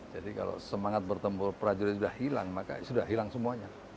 jadi kalau semangat bertempur prajurit sudah hilang maka sudah hilang semuanya